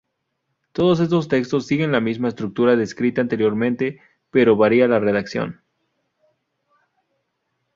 Todos estos textos siguen la misma estructura descrita anteriormente, pero varía la redacción.